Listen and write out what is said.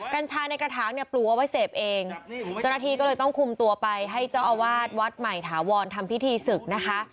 กัญชาในกระถางเนี่ยปลูกเอาไว้เสพเองเจ้าหน้าที่ก็เลยต้องคุมตัวไปให้เจ้าอาวาสวัดใหม่ถาวรทำพิธีศึกนะคะ